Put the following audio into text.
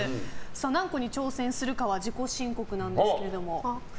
何個に挑戦するかは自己申告なんですが。